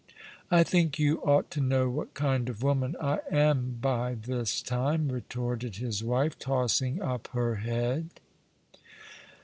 "" I think you ought to know what kind of woman I am by this time," retorted his wife, tossing up her head.